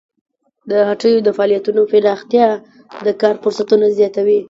د هټیو د فعالیتونو پراختیا د کار فرصتونه زیاتوي.